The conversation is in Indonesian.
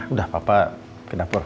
udah papa ke dapur